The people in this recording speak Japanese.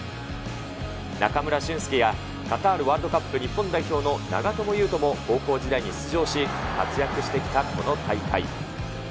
中村俊輔や、カタールワールドカップ日本代表の長友佑都も高校時代に出場し、活躍してきたこの大会。